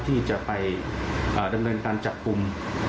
ที่จะไปดำเนินการจับกลุ่ม